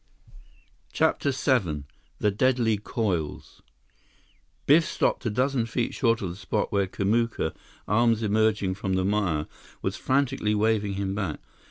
CHAPTER VII The Deadly Coils Biff stopped a dozen feet short of the spot where Kamuka, arms emerging from the mire, was frantically waving him back.